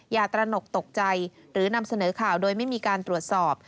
อย่าตระหนกตกใจหรือนำเสนอข่าวโดยไม่มีการตรวจสอบ